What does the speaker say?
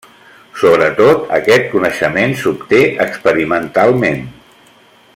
Sobretot, aquest coneixement s'obté experimentalment.